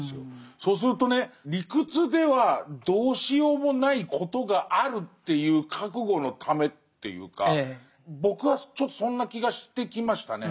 そうするとね理屈ではどうしようもないことがあるっていう覚悟のためっていうか僕はちょっとそんな気がしてきましたね。